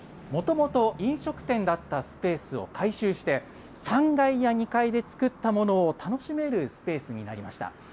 もともと飲食店だったスペースを改修して、３階や２階で作ったものを楽しめるスペースになりました。